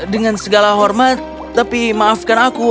dengan segala hormat tapi maafkan aku